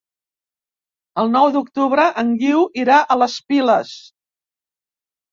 El nou d'octubre en Guiu irà a les Piles.